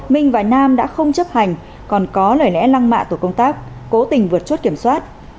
minh và nam đã không chấp hành còn có lời lẽ lăng mạ tổ công tác cố tình vượt chốt kiểm soát